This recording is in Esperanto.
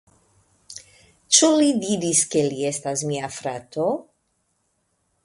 Ĉu li diris, ke li estas mia frato?